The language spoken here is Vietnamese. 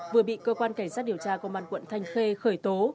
vừa bị cơ quan cảnh sát điều tra công an quận thanh khê khởi tố